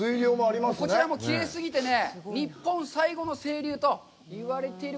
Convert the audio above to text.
こちらもきれいすぎてね、“日本最後の清流”と言われている